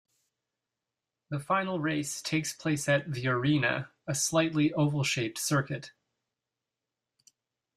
The final race takes place at "The Arena", a slightly oval-shaped circuit.